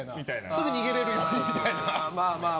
すぐ逃げれるようにみたいな。